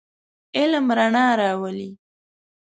علم رڼا راولئ.